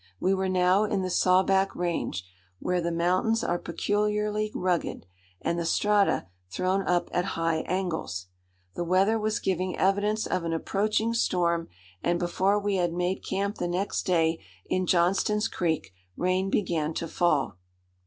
We were now in the Sawback Range, where the mountains are peculiarly rugged, and the strata thrown up at high angles. The weather was giving evidence of an approaching storm, and before we had made camp the next day in Johnston's Creek, rain began to fall.